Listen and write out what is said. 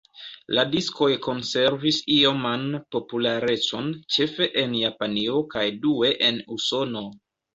La diskoj konservis ioman popularecon ĉefe en Japanio kaj due en Usono.